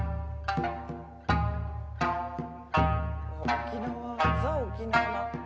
沖縄ザ・沖縄な。